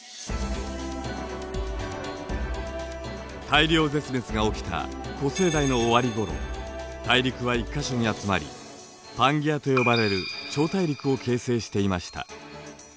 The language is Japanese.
大量絶滅が起きた古生代の終わり頃大陸は１か所に集まりパンゲアと呼ばれる超大陸を形成していました。